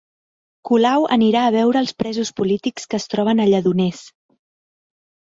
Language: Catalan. Colau anirà a veure els presos polítics que es troben a Lledoners